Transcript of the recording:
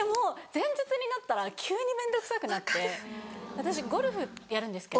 私ゴルフやるんですけど。